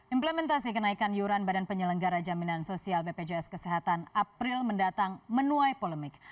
implementasi kenaikan yuran badan penyelenggara jaminan sosial bpjs kesehatan april mendatang menuai polemik